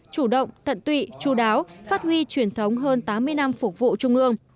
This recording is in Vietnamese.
chủ động tận tụy chú đáo phát huy truyền thống hơn tám mươi năm phục vụ trung ương